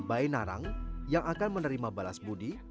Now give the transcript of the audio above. bayi narang yang akan menerima balas budi